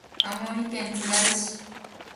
青森県つがる市